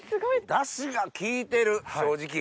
ダシが効いてる正直。